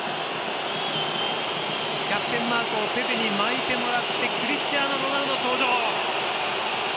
キャプテンマークをペペに巻いてもらってクリスチアーノ・ロナウド登場。